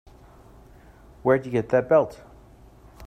Where'd you get that belt?